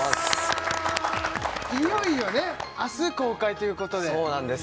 いよいよね明日公開ということでそうなんです